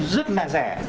rất là rẻ